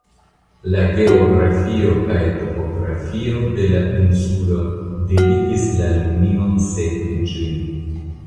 La geografio kaj topografio de la insulo devigis la linion sekvi ĝin.